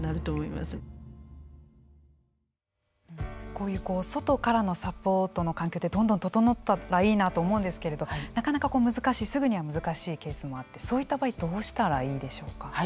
こういう外からのサポートの環境ってどんどん整ったらいいなと思うんですけれどなかなか難しいすぐには難しいケースもあってそういった場合どうしたらいいでしょうか。